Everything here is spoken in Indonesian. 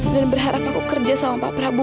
dan berharap aku kerja sama pak prabu